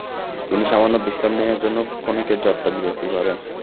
তিনি সামান্য বিশ্রাম নেয়ার জন্য ক্ষণিকের যাত্রা বিরতি করেন।